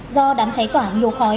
do đám cháy tỏa nhiều khói